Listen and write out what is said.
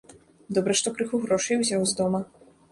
Добра, што крыху грошай узяў з дома.